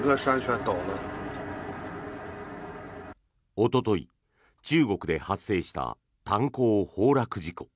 おととい、中国で発生した炭鉱崩落事故。